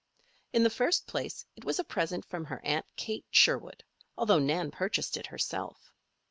In the first place it was a present from her Aunt Kate Sherwood, although Nan purchased it herself.